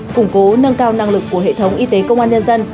củng cố nâng cao năng lực của hệ thống y tế công an nhân dân